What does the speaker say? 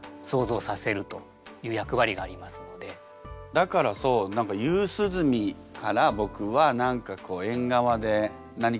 だからそう「夕涼み」から僕は何かこう縁側で何か果物を。